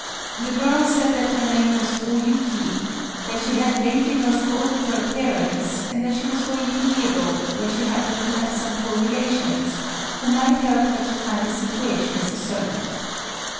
The girl said that her name was O Yuki; that she had lately lost both of her parents; and that she was going to Yedo (2), where she happened to have some poor relations, who might help her to find a situation as a servant.